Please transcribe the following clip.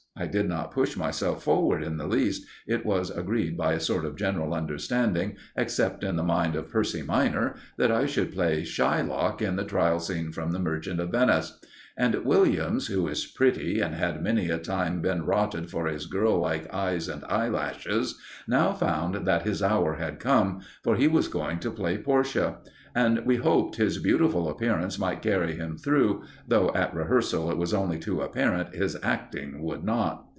I did not push myself forward in the least, it was agreed, by a sort of general understanding, except in the mind of Percy minor, that I should play Shylock in the trial scene from "The Merchant of Venice." And Williams, who is pretty, and had many a time been rotted for his girl like eyes and eyelashes, now found that his hour had come, for he was going to play Portia; and we hoped his beautiful appearance might carry him through, though at rehearsal it was only too apparent his acting would not.